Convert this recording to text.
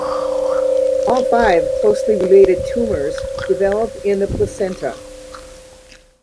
All five closely related tumours develop in the placenta.